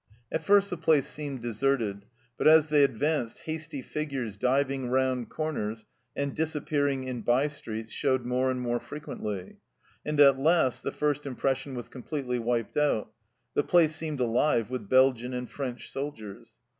At first the place seemed deserted, but as they advanced hasty figures diving round corners and disappearing in by streets showed more and more frequently, and at last the first impression was com pletely wiped out the place seemed alive with Belgian and French soldiers.